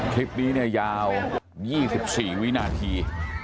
คลิปนี้เนี่ยยาว๒๔วินาที